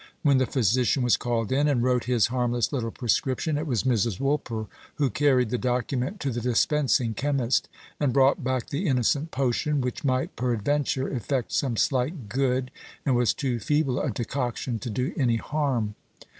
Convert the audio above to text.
When the physician was called in, and wrote his harmless little prescription, it was Mrs. Woolper who carried the document to the dispensing chemist, and brought back the innocent potion, which might, peradventure, effect some slight good, and was too feeble a decoction to do any harm.